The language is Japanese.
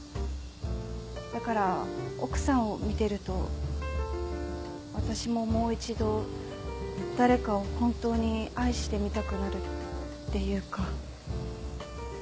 だから奥さんを見てると私ももう一度誰かを本当に愛してみたくなるっていうか。